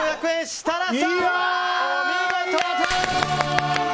設楽さん、お見事！